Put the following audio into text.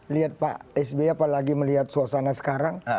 lihat pak sby apalagi melihat suasana sekarang